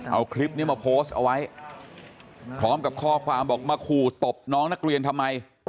เอาคลิปนี้มาโพสต์เอาไว้พร้อมกับข้อความบอกมาขู่ตบน้องนักเรียนทำไม